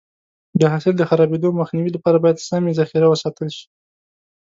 د حاصل د خرابېدو مخنیوي لپاره باید سمې ذخیره وساتل شي.